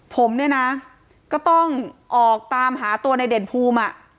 ผมเนี่ยนะก็ต้องออกตามหาตัวในเด่นภูมิอ่ะ